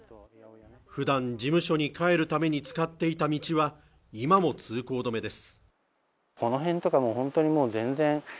普段事務所に帰るために使っていた道は今も通行止めです